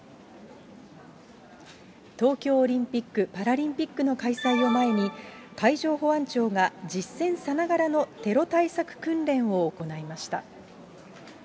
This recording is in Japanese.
東京オリンピック・パラリンピックの開催を前に、海上保安庁が実戦さながらのテロ対策訓練を行いました。